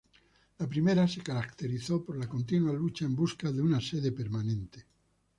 La primera se caracterizó por la continua lucha en busca de una sede permanente.